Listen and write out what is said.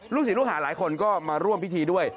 ศิลปหาหลายคนก็มาร่วมพิธีด้วย